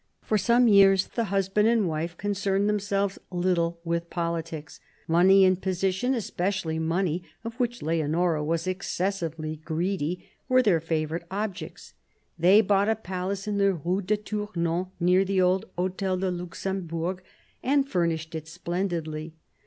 For some years the husband and wife concerned them selves little with politics. Money and position, especially money, of which Leonora was excessively greedy, were their favourite objects. They bought a palace in the Rue de Tournon, near the old Hotel de Luxembourg, and furnished it splendidly.